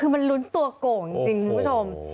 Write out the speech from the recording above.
มันรุนตัวกลโก่จริงประชม